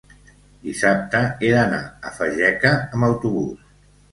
Dissabte he d'anar a Fageca amb autobús.